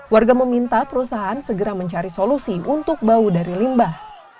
warga meminta perusahaan segera mencari solusi untuk bau dari limbah